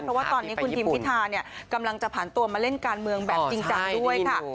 เพราะว่าตอนนี้คุณทิมพิธาเนี่ยกำลังจะผ่านตัวมาเล่นการเมืองแบบจริงจังด้วยค่ะ